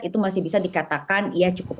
itu masih bisa dikatakan ia cukup